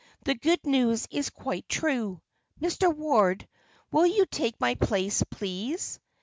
"The good news is quite true. Mr. Ward, will you take my place, please?"